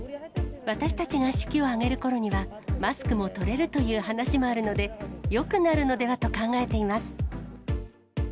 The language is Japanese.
私たちが式を挙げるころには、マスクも取れるという話もあるので、よくなるのではと考えています。